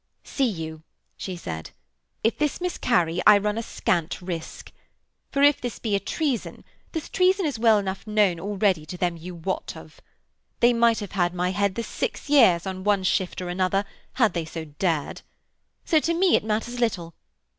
'See you,' she said, 'if this miscarry I run a scant risk. For, if this be a treason, this treason is well enough known already to them you wot of. They might have had my head this six years on one shift or another had they so dared. So to me it matters little.